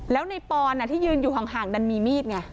แล้วในปอนที่ยืนอยู่ห่างดันมีมีดไง